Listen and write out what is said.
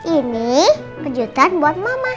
ini kejutan buat mama